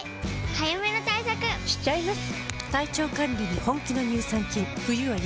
早めの対策しちゃいます。